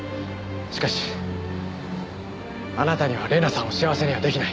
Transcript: しかしあなたには玲奈さんを幸せには出来ない。